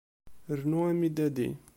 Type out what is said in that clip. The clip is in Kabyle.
Rnu amidadi.